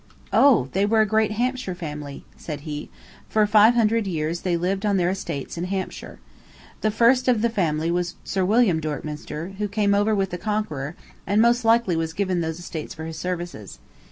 "Oh, they were a great Hampshire family," said he. "For five hundred years they lived on their estates in Hampshire. The first of the name was Sir William Dorkminster, who came over with the Conqueror, and most likely was given those estates for his services.